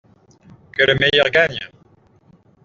que le meilleur gagne!